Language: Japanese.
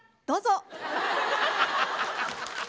どうぞ。